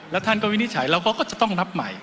แล้วท่านก็วินิจฉัยเราก็จะต้องนับใหม่